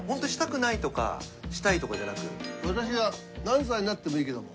私は何歳になってもいいけども。